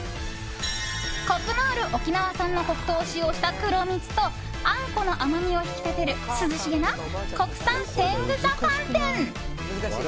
コクのある沖縄産の黒糖を使用した黒蜜とあんこの甘みを引き立てる涼しげな国産天草寒天。